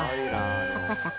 そこそこ。